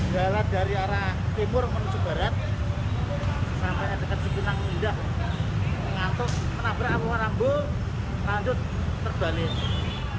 jalan dari arah timur menuju barat sampai dekat sepenang mindah mengantuk menabrak rambu rambu lanjut terbalik